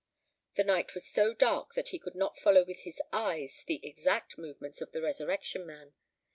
The night was so dark that he could not follow with his eyes the exact movements of the Resurrection Man.